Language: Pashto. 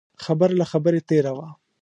خبره له خبرې تېره وه.